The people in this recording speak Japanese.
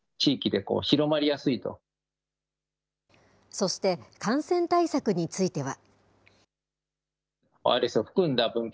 そして、感染対策については。